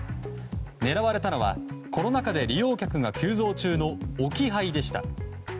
狙われたのはコロナ禍で利用客が急増中の置き配でした。